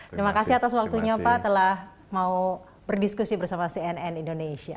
terima kasih atas waktunya pak telah mau berdiskusi bersama cnn indonesia